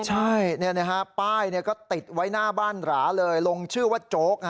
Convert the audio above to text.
ใช่ป้ายก็ติดไว้หน้าบ้านหราเลยลงชื่อว่าโจ๊ก